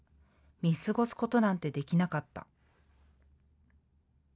見過ごすことなんてできなかった。